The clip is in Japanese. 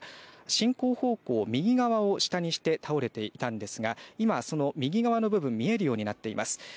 進行方向右側を下にして倒れていたんですが今、右側の部分見えるようになっています。